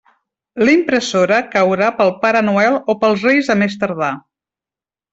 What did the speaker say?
La impressora caurà pel Pare Noel o pels Reis a més tardar.